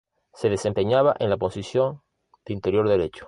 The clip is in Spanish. Se desempeñaba en la posición de interior derecho.